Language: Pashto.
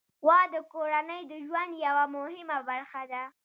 غوا د کورنۍ د ژوند یوه مهمه برخه ده.